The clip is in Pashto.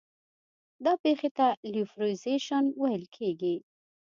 دا پېښې ته لیوفیلیزیشن ویل کیږي.